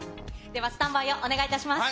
では、スタンバイをお願いいたします。